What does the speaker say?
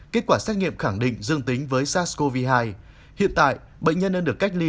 kết quả xét nghiệm khẳng định dương tính với sars cov hai hiện tại bệnh nhân đang được cách ly